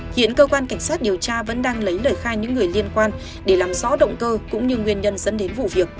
hiện cơ quan cảnh sát điều tra vẫn đang lấy lời khai những người liên quan để làm rõ động cơ cũng như nguyên nhân dẫn đến vụ việc